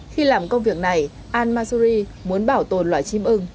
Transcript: khi làm công việc này al masuri muốn bảo tồn loài chim ưng